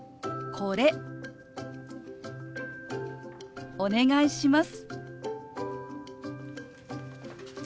これお願いします。